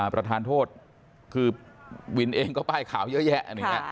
ประทานโทษคือวินเองก็ป้ายขาวเยอะแยะ